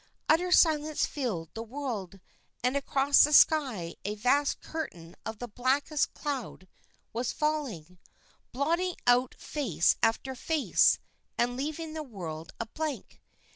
Utter silence filled the world, and across the sky a vast curtain of the blackest cloud was falling, blotting out face after face and leaving the world a blank.